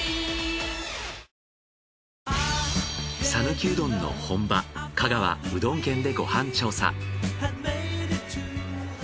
讃岐うどんの本場香川うどん県でご飯調査！